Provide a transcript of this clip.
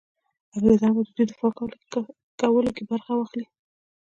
انګرېزان به د دوی دفاع کولو کې برخه واخلي.